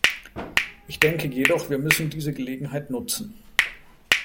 Ich denke jedoch, wir müssen diese Gelegenheit nutzen.